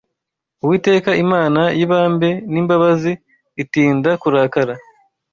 Uwiteka Imana y’ibambe n’imbabazi, itinda kurakara